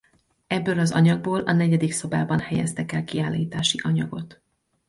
Ebből az anyagból a negyedik szobában helyeztek el kiállítási anyagot.